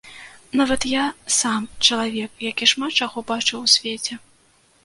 Нават я сам, чалавек, які шмат чаго бачыў у свеце.